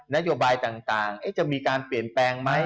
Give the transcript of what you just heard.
นโยบายต่างจะมีการเปลี่ยนแปลงไหม